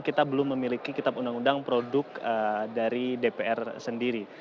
kita belum memiliki kitab undang undang produk dari dpr sendiri